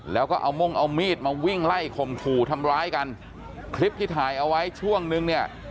แล้วก็เอามุ่งเอามีดมาวิ่งไล่ข่มขู่ทำร้ายกันคลิปที่ถ่ายเอาไว้ช่วงนึงเนี่ย